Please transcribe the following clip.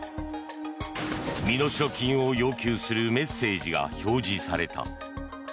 身代金を要求するメッセージが表示された。